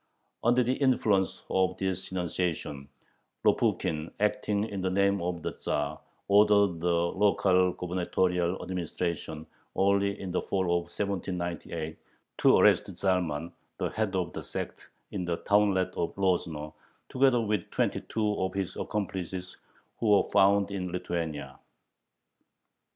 Under the influence of this denunciation, Lopukhin, acting in the name of the Tzar, ordered the local gubernatorial administration, early in the fall of 1798, to arrest Zalman, the head of the sect, in the townlet of Lozno, together with twenty two of his accomplices who were found in Lithuania.